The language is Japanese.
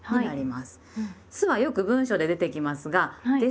「す」はよく文章で出てきますが「です」